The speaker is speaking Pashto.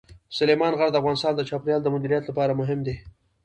سلیمان غر د افغانستان د چاپیریال د مدیریت لپاره مهم دي.